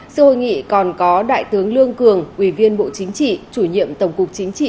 sự hội nghị còn có đại tướng lương cường ủy viên bộ chính trị chủ nhiệm tổng cục chính trị